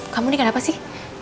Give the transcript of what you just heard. kamu nih kenapa sih